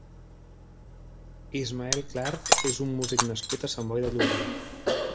Ismael Clark és un músic nascut a Sant Boi de Llobregat.